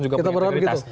juga punya integritas